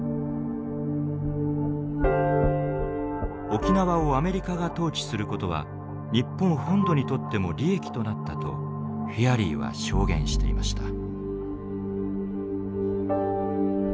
沖縄をアメリカが統治することは日本本土にとっても利益となったとフィアリーは証言していました。